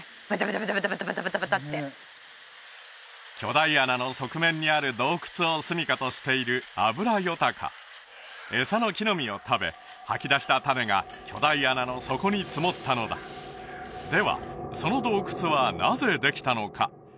バタバタバタバタバタって巨大穴の側面にある洞窟をすみかとしているアブラヨタカ餌の木の実を食べ吐き出した種が巨大穴の底に積もったのだではその洞窟はなぜできたのか？